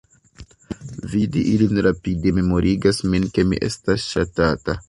Vidi ilin rapide memorigas min ke mi estas ŝatata.